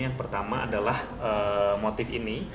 yang pertama adalah motif ini